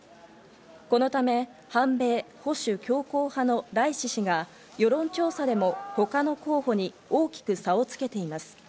このため反米・保守強硬派のライシ師が世論調査でも他の候補に大きく差をつけています。